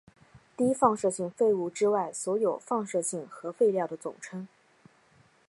低放射性废物之外所有放射性核废料的总称。